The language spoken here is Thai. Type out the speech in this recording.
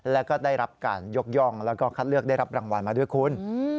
แล้วก็ได้รับการยกย่องแล้วก็คัดเลือกได้รับรางวัลมาด้วยคุณ